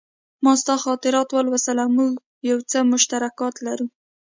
ما ستا خاطرات ولوستل او موږ یو څه مشترکات لرو